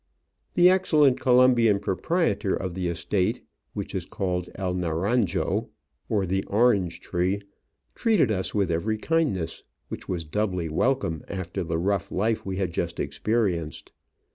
The excellent Colombian proprietor of the estate (which is called El Naranjo, or the Orange Tree) treated us with every kindness, which was doubly welcome after the rough life we had just experienced.